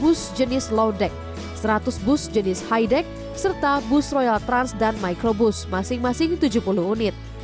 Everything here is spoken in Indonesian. satu ratus dua puluh bus jenis low deck seratus bus jenis high deck serta bus royal trans dan micro bus masing masing tujuh puluh unit